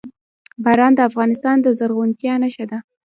باران د افغانستان د زرغونتیا نښه ده.